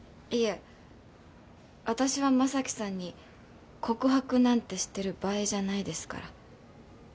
いえ私は将貴さんに告白なんてしてる場合じゃないですから。